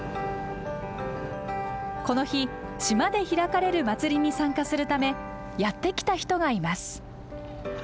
この日島で開かれる祭りに参加するためやって来た人がいます。